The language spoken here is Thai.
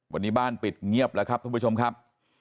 วันนี้บ้านปิดเงียบแล้วครับท่านผู้ชมครับ